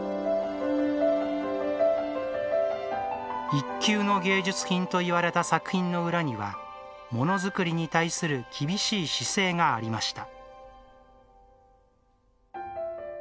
一級の芸術品といわれた作品の裏には、ものづくりに対する厳しい姿勢がありました。